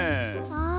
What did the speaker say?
ああ。